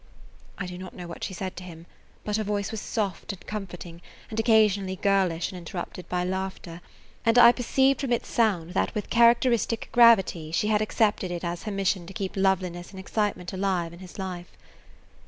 I do not know what she said to him, but her voice was soft and comforting and occasionally girlish and interrupted by laughter, and I perceived from its sound that with characteristic gravity she had accepted it as her mission to keep loveliness and excitement alive in his life.